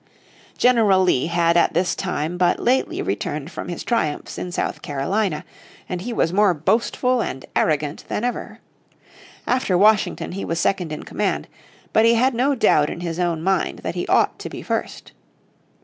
General Lee had at this time but lately returned from his triumphs in South Carolina, and he was more boastful and arrogant than ever. After Washington he was second in command, but he had no doubt in his own mind that he ought to be first.